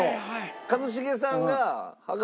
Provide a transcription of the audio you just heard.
一茂さんが。